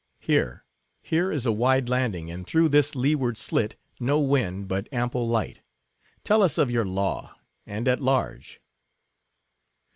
Here,—here is a wide landing, and through this leeward slit, no wind, but ample light. Tell us of your law; and at large."